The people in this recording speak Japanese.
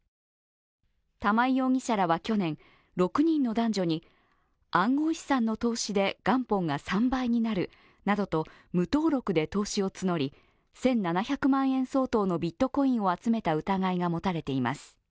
玉井容疑者らは去年、６人の男女に暗号資産の投資で元本が３倍になるなどと無登録で投資を募り１７００万円相当のビットコインを集めた疑いが持たれています。